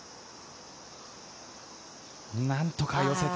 なんとか寄せて。